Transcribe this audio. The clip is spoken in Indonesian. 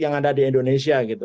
yang ada di indonesia gitu